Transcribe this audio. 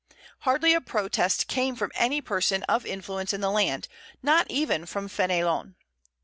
Hardly a protest came from any person of influence in the land, not even from Fénelon.